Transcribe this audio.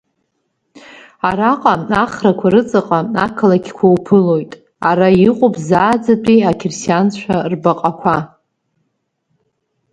Араҟа ахрақәа рыҵаҟа ақалақьқәа уԥылоит, ара иҟоуп зааӡатәи ақьырсианцәа рбаҟақәа.